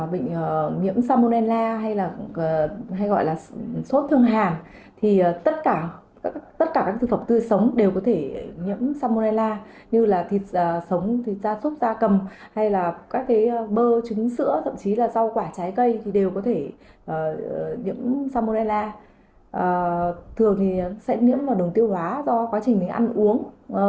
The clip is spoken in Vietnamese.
bệnh vi khuẩn salmonella thường sẽ nhiễm vào đường tiêu hóa do quá trình ăn uống